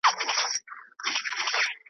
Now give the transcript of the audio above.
زه کرار درنیژدې کېږم له تنې دي بېلومه .